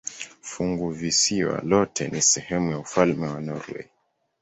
Funguvisiwa lote ni sehemu ya ufalme wa Norwei.